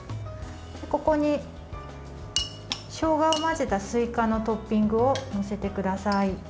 ここに、しょうがを混ぜたすいかのトッピングを載せてください。